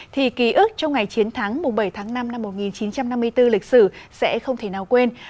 thì ký ức trong ngày chiến thắng bảy tháng năm năm một nghìn chín trăm năm mươi bốn lịch sử sẽ không thể nào quên